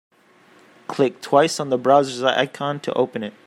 Click twice on the browser's icon to open it.